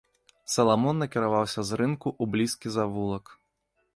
Саламон накіраваўся з рынку ў блізкі завулак.